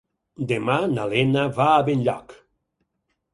Demà na Lena va a Benlloc.